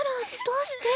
どうして？